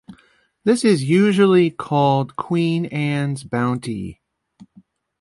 This is usually called Queen Anne's bounty.